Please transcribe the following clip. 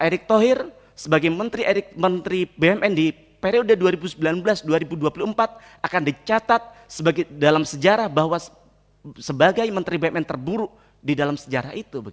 erick thohir sebagai menteri bumn di periode dua ribu sembilan belas dua ribu dua puluh empat akan dicatat dalam sejarah bahwa sebagai menteri bumn terburuk di dalam sejarah itu